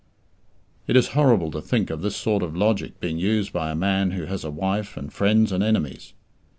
It is horrible to think of this sort of logic being used by a man who has a wife, and friends and enemies.